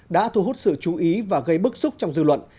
đã thu hút sự chú ý và gây bức xúc trong dư luận